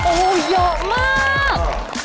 โอ้โหเยอะมาก